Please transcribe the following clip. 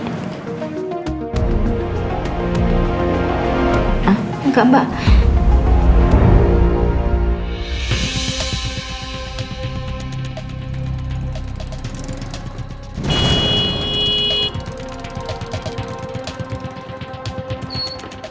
hah enggak mbak